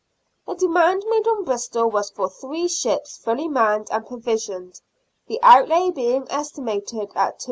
The demand made on Bristol was for three ships fully manned and provisioned, the outlay being estimated at £2,500.